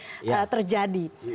seperti saat ini terjadi